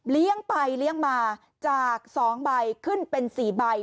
เลี้ยงไปเลี้ยงมาจาก๒ใบขึ้นเป็น๔ใบ